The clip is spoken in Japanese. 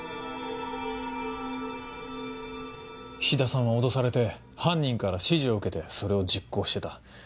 菱田さんは脅されて犯人から指示を受けてそれを実行してた。